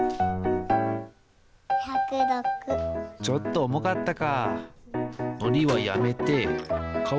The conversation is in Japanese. ちょっとおもかったね。